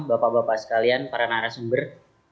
bapak bapak sekalian para narasumber